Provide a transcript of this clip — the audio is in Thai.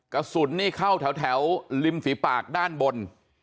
กระสุนนี่เข้าแถวริมฝีปากด้านบน